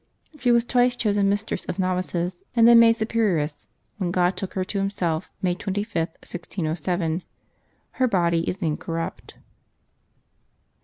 She was twice chosen mistress of novices, and then made superioress, when God took her to Himself, May 25, 1607. Her body is incorrupt.